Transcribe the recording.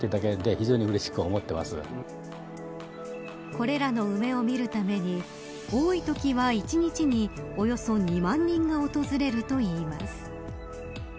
これらの梅を見るために多いときは一日におよそ２万人が訪れるといいます。